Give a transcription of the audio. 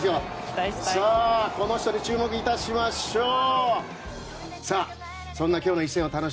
この人に注目いたしましょう。